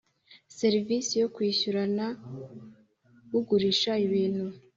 Serivisi yo kwishyurana n ugurisha ibintu